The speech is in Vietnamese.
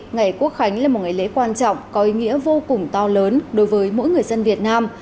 ngày quốc khánh là một ngày lễ quan trọng có ý nghĩa vô cùng to lớn đối với mỗi người dân việt nam